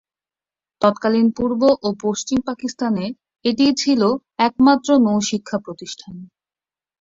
তৎকালীন পূর্ব ও পশ্চিম পাকিস্তানে এটিই ছিল একমাত্র নৌ শিক্ষা প্রতিষ্ঠান।